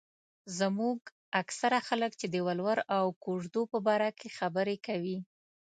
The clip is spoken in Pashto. زموږ اکثره خلک چې د ولور او کوژدو په باره کې خبره کوي.